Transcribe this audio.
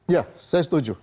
ya saya setuju